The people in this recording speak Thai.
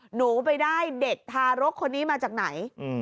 หนูไปได้เด็กทารกคนนี้มาจากไหน